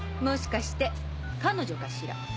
もしかして彼女かしら？